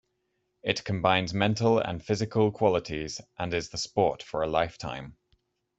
It combines mental and physical qualities and is the sport for a lifetime.